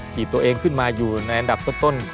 ถีบตัวเองขึ้นมาอยู่ในอันดับต้น